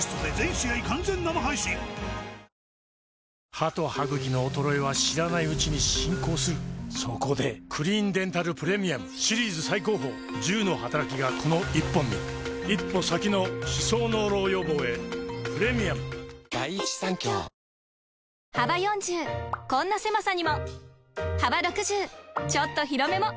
歯と歯ぐきの衰えは知らないうちに進行するそこで「クリーンデンタルプレミアム」シリーズ最高峰１０のはたらきがこの１本に一歩先の歯槽膿漏予防へプレミアム幅４０こんな狭さにも！幅６０ちょっと広めも！